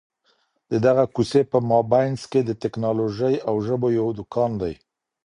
د دغي کوڅې په مابينځ کي د ټکنالوژۍ او ژبو یو دکان دی.